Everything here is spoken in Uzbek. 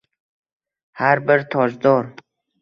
Har bir tojdor